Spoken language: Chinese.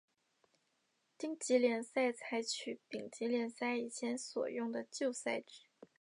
丁级联赛采取丙级联赛以前所用的旧赛制。